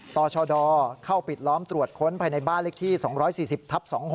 ชดเข้าปิดล้อมตรวจค้นภายในบ้านเลขที่๒๔๐ทับ๒๖